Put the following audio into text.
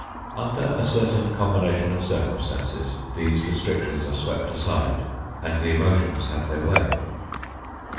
Under a certain combination of circumstances these restrictions are swept aside and the emotions have their way.